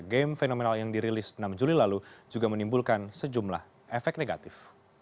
game fenomenal yang dirilis enam juli lalu juga menimbulkan sejumlah efek negatif